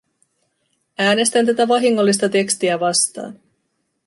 Äänestän tätä vahingollista tekstiä vastaan.